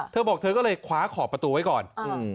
เธอบอกเธอก็เลยคว้าขอบประตูไว้ก่อน